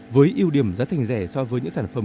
với ưu điểm giá thành rẻ so với những sản phẩm